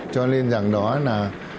cho nên rằng đó là